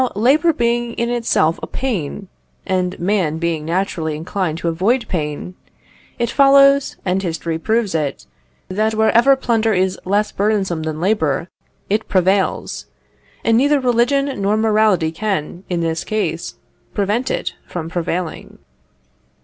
Now, labour being in itself a pain, and man being naturally inclined to avoid pain, it follows, and history proves it, that wherever plunder is less burdensome than labour, it prevails; and neither religion nor morality can, in this case, prevent it from prevailing.